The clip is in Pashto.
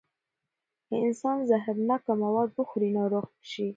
که انسان زهرناکه مواد وخوري، ناروغ شي.